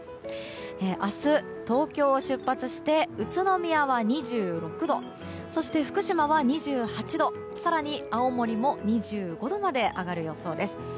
明日、東京を出発して宇都宮は２６度そして、福島は２８度更に青森も２５度まで上がる予想です。